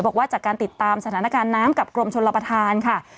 บอกว่าจากการติดตามสถานการณ์น้ำกับกรมชนรับประทานค่ะ